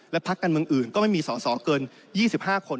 และพลักษณ์กันเมืองอื่นก็ไม่มีส่อเกิน๒๕คน